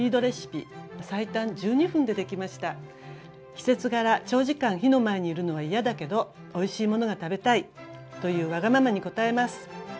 季節柄長時間火の前にいるのは嫌だけどおいしいものが食べたいというわがままに応えます。